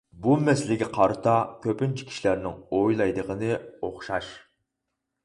بۇ مەسىلىگە قارىتا كۆپىنچە كىشىلەرنىڭ ئويلايدىغىنى ئوخشاش.